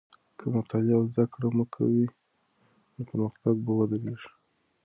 که مطالعه او زده کړه مه کوې، نو پرمختګ به ودرېږي.